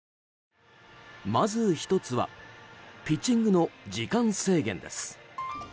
まず１つは、ピッチングの時間制限です。